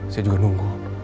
saya juga nunggu